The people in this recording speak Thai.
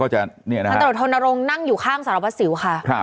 พันธบทธนรงค์นั่งอยู่ข้างสรวสิวค่ะ